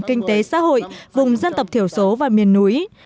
kinh tế xã hội vùng dân tộc thiểu số và miền núi